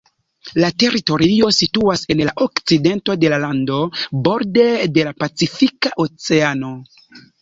La teritorio situas en la okcidento de la lando, borde de la Pacifika Oceano.